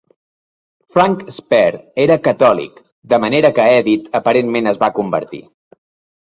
Frank Spare era catòlic, de manera que Edith aparentment es va convertir.